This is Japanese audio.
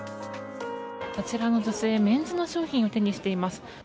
あちらの女性メンズの商品を手にしています。